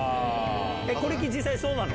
小力、実際そうなの？